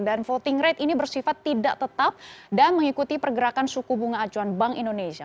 dan floating rate ini bersifat tidak tetap dan mengikuti pergerakan suku bunga acuan bank indonesia